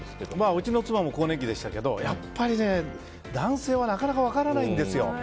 うちの妻も更年期でしたけどやっぱり男性はなかなか分からないんですよ。